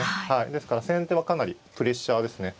ですから先手はかなりプレッシャーですね。